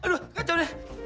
aduh kacau deh